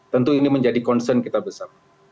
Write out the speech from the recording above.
tentu ini menjadi concern kita bersama